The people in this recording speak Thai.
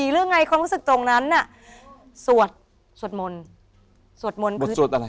หรือไงความรู้สึกตรงนั้นน่ะสวดสวดมนต์สวดมนต์ก่อนสวดอะไร